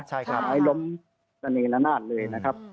สะเนรนาดเลยนะครับ